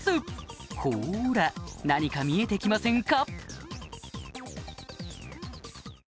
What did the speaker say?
ほら何か見えてきませんか？